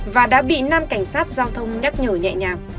và đã bị nam cảnh sát giao thông nhắc nhở nhẹ nhàng